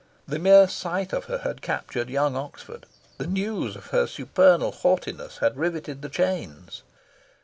The mere sight of her had captured young Oxford. The news of her supernal haughtiness had riveted the chains.